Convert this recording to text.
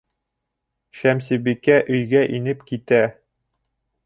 Шәмсебикә өйгә инеп китә.